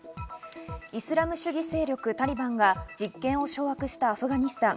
イスラム主義勢力・タリバンが実権を掌握したアフガニスタン。